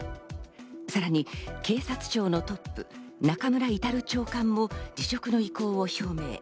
さらに警察庁のトップ、中村格長官も辞職の意向を表明。